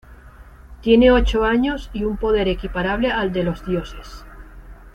Tiene ocho años y un poder equiparable al de los dioses.